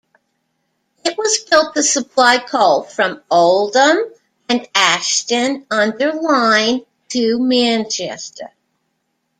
It was built to supply coal from Oldham and Ashton under Lyne to Manchester.